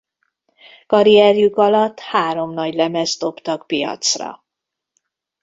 Karrierjük alatt három nagylemezt dobtak piacra.